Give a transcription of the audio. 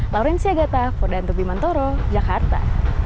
lauren siagata fodanto bimantoro jakarta